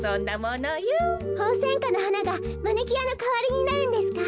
ホウセンカのはながマニキュアのかわりになるんですか？